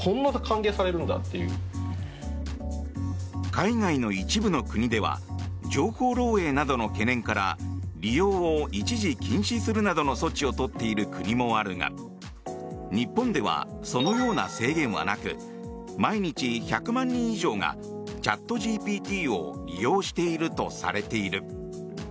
海外の一部の国では情報漏洩などの懸念から利用を一時禁止するなどの措置をとっている国もあるが日本では、そのような制限はなく毎日１００万人以上がチャットＧＰＴを利用しているとされている。